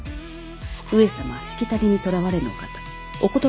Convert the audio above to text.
上様はしきたりにとらわれぬお方。